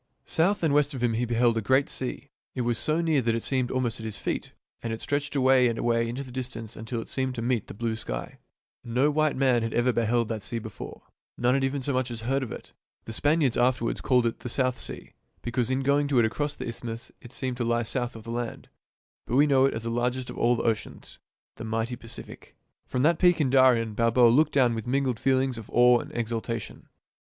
South and west of him he beheld a great sea. It was so near that it seemed almost at his feet ; and it stretched away and away into the distance until it seemed to meet the blue sky. No white man had ever beheld that sea before ; "UPON A PEAK IN DARIEN" 15 none had even so much as heard of it. The Span iards afterwards called it the South Sea, because in going to it across the isthmus it seemed to lie south of the land ; but we know it as the largest of all the oceans, the mighty Pacific. From that peak in Darien, Balboa looked down with mingled feelings of awe and exultation.